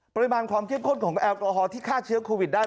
ปริมาณความเข้มข้นของแอลกอฮอลที่ฆ่าเชื้อโควิดได้